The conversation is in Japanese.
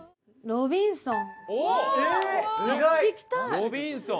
『ロビンソン』。